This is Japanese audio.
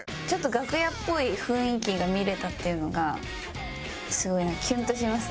ちょっと楽屋っぽい雰囲気が見れたっていうのがすごい。